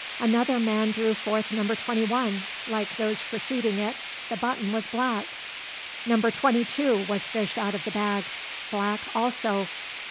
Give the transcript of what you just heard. Another man drew forth Number 21. Like those preceding it, the button, was black! Number 22 was fished out of the bag, black also!